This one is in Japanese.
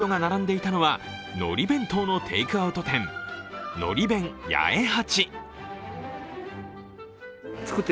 お昼前、多くの人が並んでいたのはのり弁当のテイクアウト店海苔弁八重八。